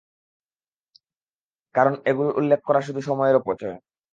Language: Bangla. কারণ এগুলোর উল্লেখ করা শুধু সময়ের অপচয়।